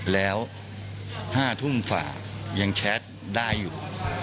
แล้ว๕ทุ่มฝ่ายังแชทได้อยู่